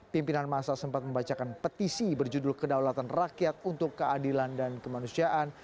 pimpinan masa sempat membacakan petisi berjudul kedaulatan rakyat untuk keadilan dan kemanusiaan